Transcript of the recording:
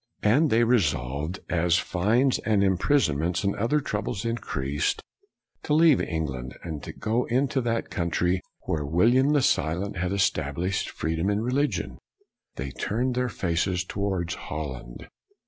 71 And they resolved, as fines and imprisonments and other troubles increased, to leave England and go into that country where William the Silent had BREWSTER 199 established freedom in religion. They turned their faces towards Holland.